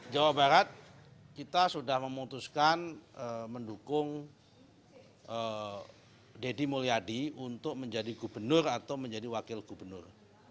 jawa barat kita sudah memutuskan mendukung deddy mulyadi untuk menjadi gubernur atau menjadi wakil gubernur